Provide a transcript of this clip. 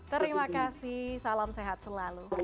terima kasih salam sehat selalu